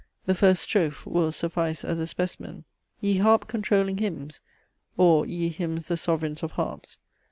The first strophe will suffice as a specimen: "Ye harp controlling hymns! (or) ye hymns the sovereigns of harps!